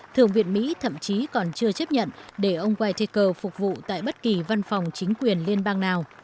thượng viện mỹ thậm chí còn chưa chấp nhận để ông witicker phục vụ tại bất kỳ văn phòng chính quyền liên bang nào